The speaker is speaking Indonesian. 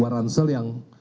dua ransel yang